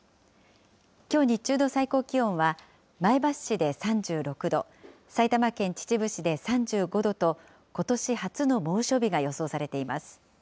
きょう日中の最高気温は、前橋市で３６度、埼玉県秩父市で３５度と、ことし初の猛暑日が予想されています。